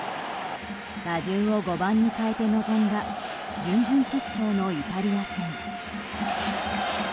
打順を５番に変えて臨んだ準々決勝のイタリア戦。